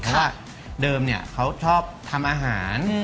เพราะว่าเดิมเขาชอบทำอาหาร